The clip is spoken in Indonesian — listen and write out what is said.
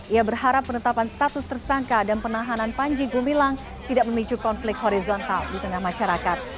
ia berharap penetapan status tersangka dan penahanan panji gumilang tidak memicu konflik horizontal di tengah masyarakat